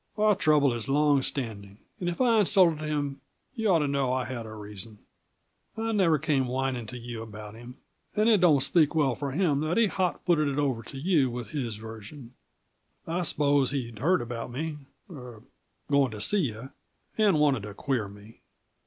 Our trouble is long standing, and if I insulted him you ought to know I had a reason. I never came whining to you about him, and it don't speak well for him that he hot footed over to you with his version. I suppose he'd heard about me er going to see you, and wanted to queer me.